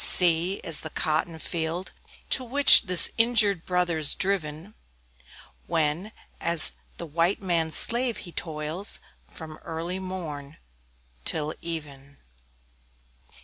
C C is the Cotton field, to which This injured brother's driven, When, as the white man's slave, he toils, From early morn till even.